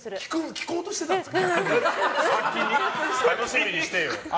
聞こうとしてたんですか？